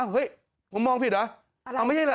เข้มมองผิดหรือ